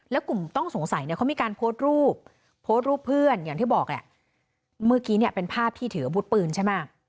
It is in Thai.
แล้วกลุ่มต้องสงสัยเขามีการโพสต์รูปเพื่อนเมื่อกี้เป็นภาพที่ถือว่าบุตรปืนใช่มั้ย